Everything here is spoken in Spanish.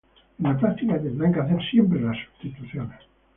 En la práctica, tendrán que hacer siempre las sustituciones.